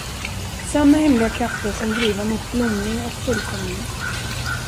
Samma hemliga krafter som driva mot blomning och fullkomning.